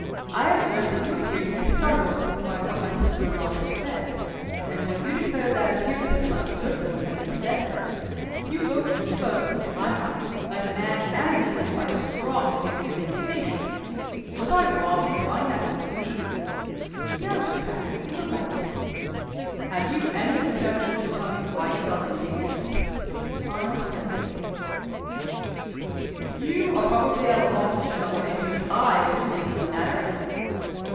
I observed that you appeared to be startled by what my sister in law had said; and when you declared that appearances must certainly have misled her, you looked and spoke (to my mind) like a man animated by a strong feeling of indignation. Was I wrong in drawing that conclusion?" "No, Sir Patrick. You were right." "Have you any objection to tell me why you felt indignant?" Arnold hesitated. "You are probably at a loss to know what interest I can feel in the matter?"